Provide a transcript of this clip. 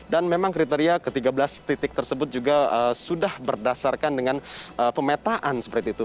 dan memang kriteria ke tiga belas titik tersebut juga sudah berdasarkan dengan pemetaan seperti itu